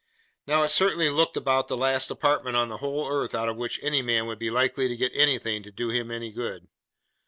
Now, it certainly looked about the last apartment on the whole earth out of which any man would be likely to get anything to do him good.